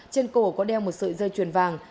chân cổ có đeo một sợi dây chuyền vàng